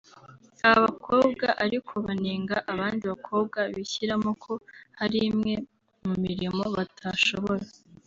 Aba bakobwa ariko banenga abandi bakobwa bishyiramo ko hari imwe mu mirimo batashobora